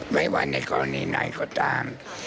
ไม่ว่าในกรณีไหนก็ตาม